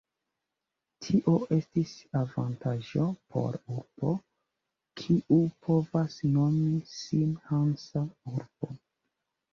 Tio estis avantaĝo por urbo, kiu povas nomi sin hansa urbo.